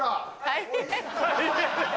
大変！